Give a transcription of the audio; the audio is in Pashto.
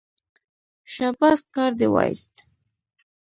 شاباس کار دې وایست.